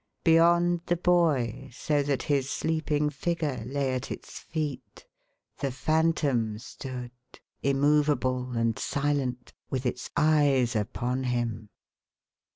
Beyond the boy, so that his sleeping figure lay at its feet, the Phantom stood, im movable and silent, with its eyes upon him.